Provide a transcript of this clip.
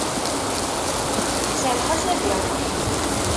Serreḥ-as ad iruḥ.